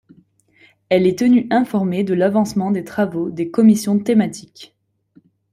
Elle est tenue informée de l’avancement des travaux des commissions thématiques.